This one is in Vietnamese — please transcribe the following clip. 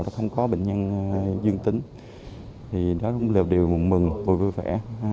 nó không có bệnh nhân dương tính thì đó cũng là điều mừng vui vẻ